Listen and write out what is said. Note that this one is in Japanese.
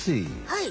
はい。